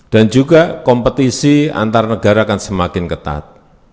dan juga kompetisi antar negara akan semakin ketat